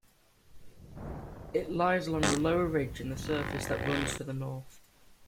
It lies along a low ridge in the surface that runs to the north.